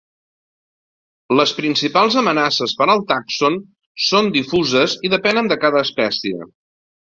Les principals amenaces per al tàxon són difuses i depenen de cada espècie.